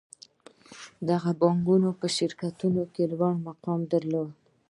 دغو بانکونو په شرکتونو کې لوړ مقام درلود